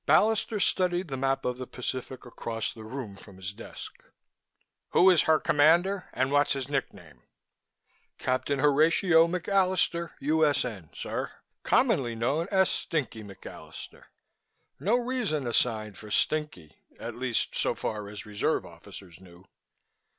Ballister studied the map of the Pacific across the room from his desk. "Who is her commander and what's his nickname?" "Captain Horatio McAllister, U.S.N., sir! Commonly known as Stinky McAllister. No reason assigned for 'Stinky,' at least so far as reserve officers knew."